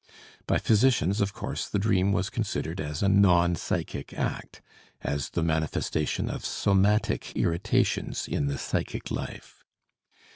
By physicians, of course, the dream was considered as a non psychic act, as the manifestation of somatic irritations in the psychic life.